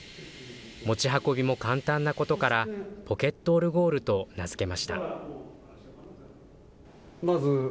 持ち運びも簡単なことから、ポケットオルゴールと名付けました。